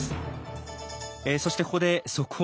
そしてここで速報です。